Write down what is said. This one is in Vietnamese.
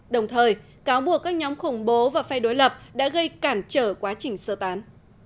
đồng thời cáo buộc các nhóm khủng bố và phe đối lập đã gây cản trở quá trình sơ tán